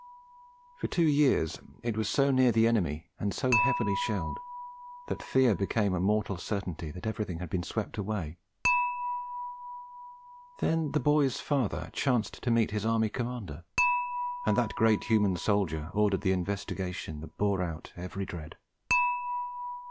For two years it was so near the enemy and so heavily shelled that the fear became a moral certainty that everything had been swept away; then the boy's father chanced to meet his Army Commander; and that great human soldier ordered the investigation that bore out every dread.